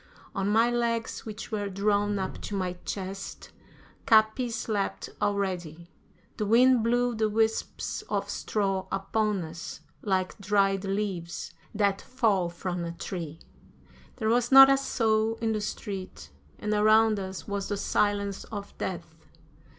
On my legs, which were drawn up to my chest, Capi slept already. The wind blew the wisps of straw upon us like dried leaves that fall from a tree. There was not a soul in the street, and around us was the silence of death.